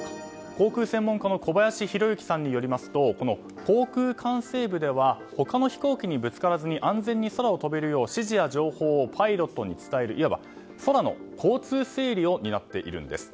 航空専門家の小林宏之さんによりますと航空管制部では他の飛行機にぶつからずに安全に空を飛べるよう指示や情報をパイロットに伝えるいわば空の交通整理を担っているんです。